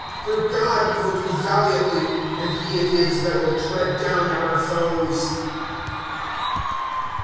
'^ Through God we will do valiantly. And he it is that wil! tread down our foes, V.